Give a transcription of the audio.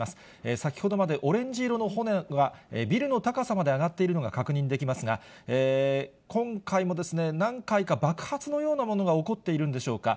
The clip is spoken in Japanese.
先ほどまでオレンジ色の炎が、ビルの高さまで上がっているのが確認できますが、今回も、何回か爆発のようなものが起こっているんでしょうか。